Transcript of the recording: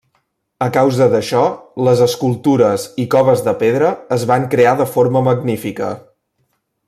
A causa d'això, les escultures i coves de pedra es van crear de forma magnífica.